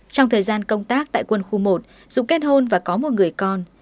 trong thời gian công tác tại quân khu một dũng kết hôn và có một người con